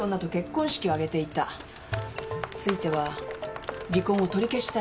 ついては離婚を取り消したい」と。